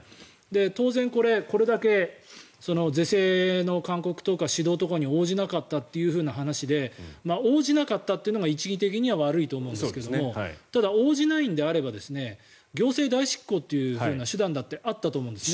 当然これだけ是正の勧告とか指導とかに応じなかったという話で応じなかったというのが一義的には悪いと思うんですが応じないのであれば行政代執行というような手段だってあったと思うんですね。